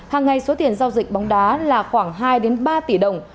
hàng ngày số tiền giao dịch bóng đá là khoảng hai ba tỷ đồng